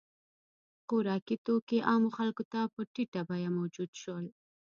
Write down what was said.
• خوراکي توکي عامو خلکو ته په ټیټه بیه موجود شول.